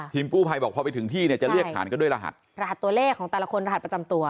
กู้ภัยบอกพอไปถึงที่เนี่ยจะเรียกฐานกันด้วยรหัสรหัสตัวเลขของแต่ละคนรหัสประจำตัว